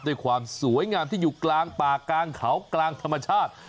ด้วยความสวยงามที่อยู่กลางป่ากลางเขากลางธรรมชาติ